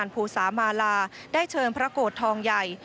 ภูสามาลาได้เชิญพระโกรธทองใหญ่